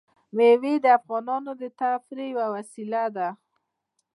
مېوې د افغانانو د تفریح یوه وسیله ده.